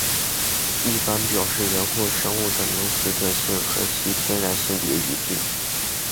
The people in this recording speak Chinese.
一般表示人或生物的名词的性和其天然性别一致。